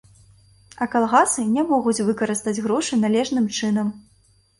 А калгасы не могуць выкарыстаць грошы належным чынам.